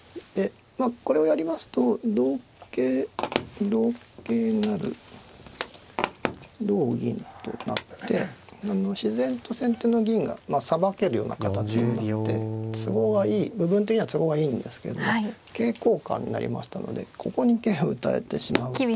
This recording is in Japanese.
まあこれをやりますと同桂同桂成同銀となって自然と先手の銀がさばけるような形になって部分的には都合がいいんですけどね桂交換になりましたのでここに桂を打たれてしまうと。